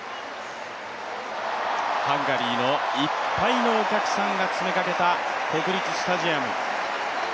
ハンガリーのいっぱいのお客さんが詰めかけた国立スタジアム。